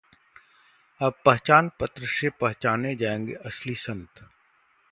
अब पहचान-पत्र से पहचाने जाएंगे असली संत